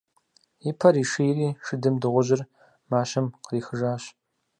И пэр ишийри, шыдым дыгъужьыр мащэм къришыжащ.